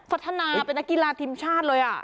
พัฒนาเป็นนักกีฬาทีมชาติเลย